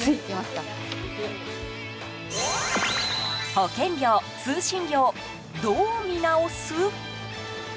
保険料、通信料どう見直す？